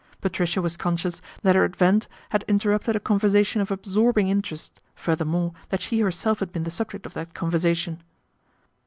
Patricia was conscious that her advent had interrupted a conversation of absorbing interest, furthermore that she herself had been the subject of that conversation.